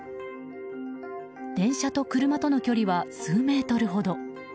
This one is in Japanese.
電車と車との距離は数メートルほど。